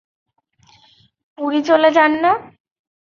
পুরী চলে যান না?